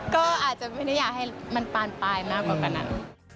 ก็อาจจะไม่ได้อยากให้มันปานปลายมากกว่านั้น